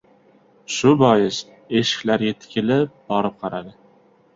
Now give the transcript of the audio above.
Shu bois, eshiklarga tikilib borib qaradi.